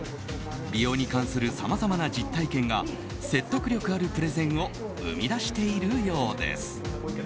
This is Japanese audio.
美容に関するさまざまな実体験が説得力あるプレゼンを生み出しているようです。